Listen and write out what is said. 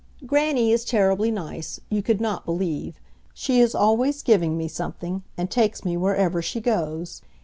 Grannie is terribly nice. You could not believe. She is always giving me something, and takes me wherever she goes.